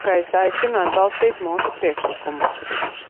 Tā ka es aicinu atbalstīt mūsu priekšlikumu.